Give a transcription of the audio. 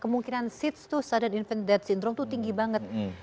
kemungkinan sids tuh sudden infant death syndrome tuh tinggi banget